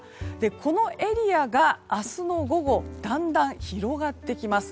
このエリアが、明日の午後だんだん広がってきます。